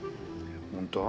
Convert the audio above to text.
本当？